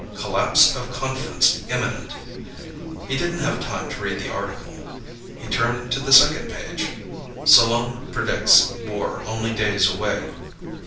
"Collapse Of Conference Imminent." He didn't have time to read the article. He turned to the second page. "Solon Predicts War Only Days Away."